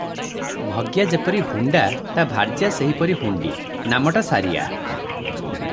ଭଗିଆ ଯେପରି ହୁଣ୍ତା, ତ ଭାର୍ଯ୍ୟା ସେହିପରି ହୁଣ୍ତୀ, ନାମଟା ସାରିଆ ।